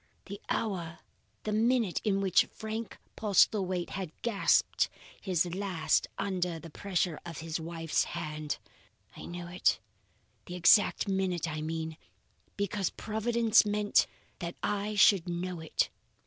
The hour, the minute in which Frank Postlethwaite had gasped his last under the pressure of his wife's hand! I knew it the exact minute I mean because Providence meant that I should know it.